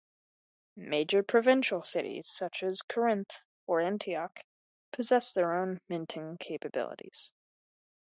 Major provincial cities such as Corinth or Antioch possessed their own minting capabilities.